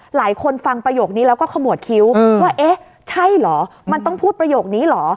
หลายคนฟังประโยคนี้แล้วก็ขมวดคิ้วว่าเอ๊ะใช่เหรอมันต้องพูดประโยคนี้เหรอ